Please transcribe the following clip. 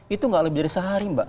itu nggak lebih dari sehari mbak